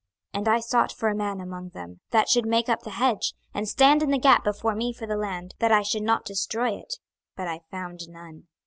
26:022:030 And I sought for a man among them, that should make up the hedge, and stand in the gap before me for the land, that I should not destroy it: but I found none.